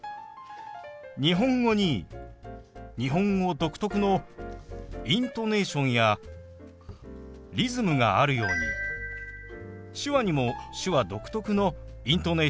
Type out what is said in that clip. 日本語に日本語独特のイントネーションやリズムがあるように手話にも手話独特のイントネーションやリズムがあります。